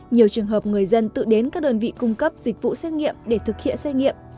nhiều trường hợp người dân tự đến các đơn vị cung cấp dịch vụ xét nghiệm để thực hiện xét nghiệm